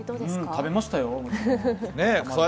食べましたよ、もう。